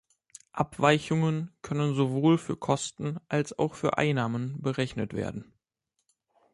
Abweichungen können sowohl für Kosten als auch für Einnahmen berechnet werden.